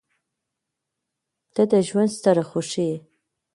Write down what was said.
• ته د ژونده ستره خوښي یې.